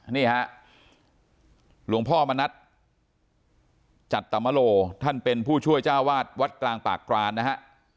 นี่ฮะหลวงพ่อมณัฐจัตมโลท่านเป็นผู้ช่วยเจ้าวาดวัดกลางปากกรานนะฮะ